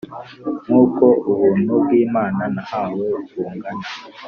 Nk uko ubuntu bw Imana nahawe bungana